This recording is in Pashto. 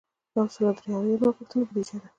یو سل او درې اویایمه پوښتنه بودیجه ده.